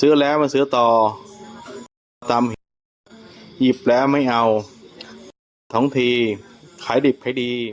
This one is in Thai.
ซื้อแล้วมาซื้อต่อตำแหนหยิบแล้วไม่เอาท้องทีขายดิบขายดี